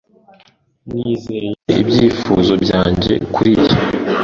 Nizeye ibyifuzo byanjye kuriyi.